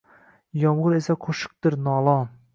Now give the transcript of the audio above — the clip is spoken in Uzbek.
Yomgʼir esa qoʼshiqdir, nolon.